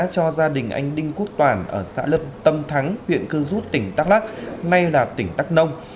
cho gia đình anh đinh quốc toàn ở xã lâm tâm thắng huyện cư rút tỉnh đắk lắc nay là tỉnh đắk nông